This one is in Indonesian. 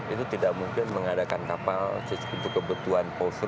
itu tidak mungkin mengadakan kapal sesuatu kebutuhan postur